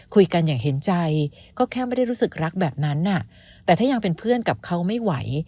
คุยกันอย่างเห็นใจก็แค่ไม่ได้รู้สึกรักแบบนั้นแต่ถ้ายังเป็นเพื่อนกับเขาไม่ไหว